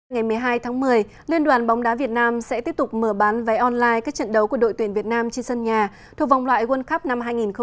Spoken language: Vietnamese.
ngày một mươi hai tháng một mươi liên đoàn bóng đá việt nam sẽ tiếp tục mở bán vé online các trận đấu của đội tuyển việt nam trên sân nhà thuộc vòng loại world cup năm hai nghìn hai mươi